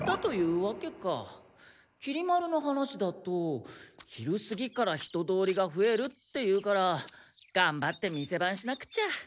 きり丸の話だと昼すぎから人通りがふえるっていうからがんばって店番しなくちゃ。